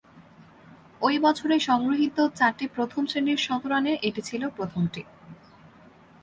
ঐ বছরে সংগৃহীত চারটি প্রথম-শ্রেণীর শতরানের এটি ছিল প্রথমটি।